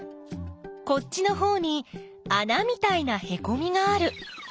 こっちのほうにあなみたいなへこみがある。